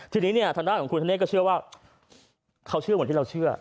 ทีนี้เนี่ยทางด้านของคุณธเนธก็เชื่อว่าเขาเชื่อเหมือนที่เราเชื่อ